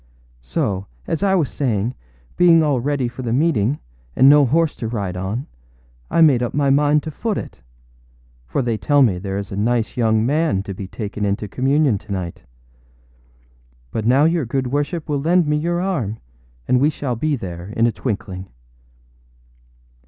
âSo, as I was saying, being all ready for the meeting, and no horse to ride on, I made up my mind to foot it; for they tell me there is a nice young man to be taken into communion to night. But now your good worship will lend me your arm, and we shall be there in a twinkling.